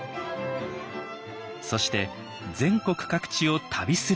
そして全国各地を旅するように。